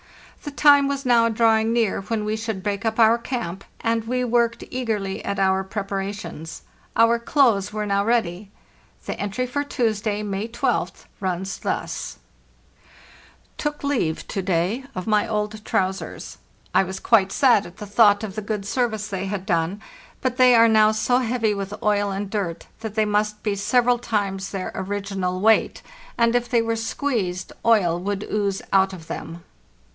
The time was now drawing near when we should break up our camp, and we worked eagerly at our preparations. Our clothes were now ready. The entry for Tuesday, May rth, runs thus: " Took leave to day of my old trousers. I was quite sad THE NEW YEAR, 1896 479 at the thought of the good service they had done; but they are now so heavy with oil and dirt that they must be several times their original weight, and, if they were squeezed, oil would ooze out of them."